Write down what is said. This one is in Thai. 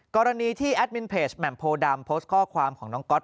กรณีที่แอดมินเพจแหม่มโพดำโพสต์ข้อความของน้องก๊อต